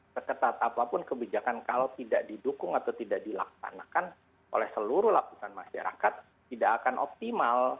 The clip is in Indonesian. seketat apapun kebijakan kalau tidak didukung atau tidak dilaksanakan oleh seluruh lapisan masyarakat tidak akan optimal